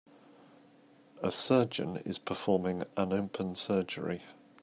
A surgeon is performing an open surgery.